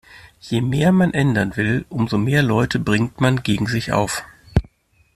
Je mehr man ändern will, umso mehr Leute bringt man gegen sich auf.